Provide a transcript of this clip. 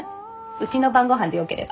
うちの晩ごはんでよければ。